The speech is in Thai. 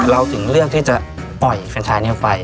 เราถึงเลือกที่จะปล่อยแฟนชายนี้ออกไป